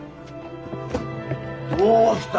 どうした？